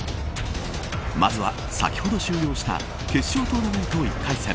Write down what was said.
まずは、先ほど終了した決勝トーナメント１回戦